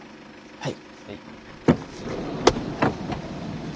はい。